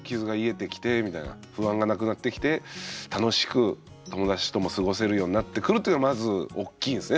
不安がなくなってきて楽しく友達とも過ごせるようになってくるというのまず大きいんすね